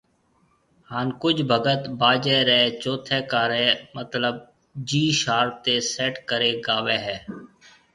ھان ڪجھ ڀگت باجي ري چوٿي ڪاري مطلب جِي شارپ تي سيٽ ڪري گاوي ھيَََ